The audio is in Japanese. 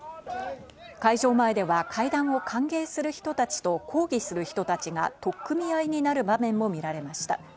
会場前では会談を歓迎する人たちと抗議する人たちが取っ組み合いになる場面も見られました。